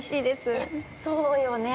そうよね。